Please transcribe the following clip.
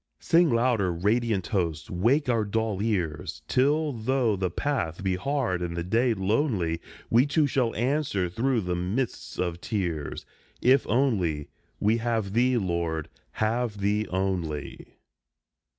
Sing louder, radiant host, wake our dull ears, Till, though the path be hard and the day lonely, We, too, shall answer through the mists of tears, "If only we have Thee, Lord, have Thee only."